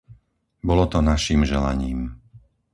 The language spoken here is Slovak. Bolo to naším želaním.